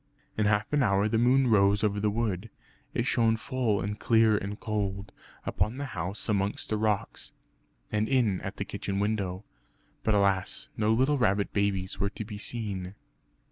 In half an hour the moon rose over the wood. It shone full and clear and cold, upon the house amongst the rocks, and in at the kitchen window. But alas, no little rabbit babies were to be seen!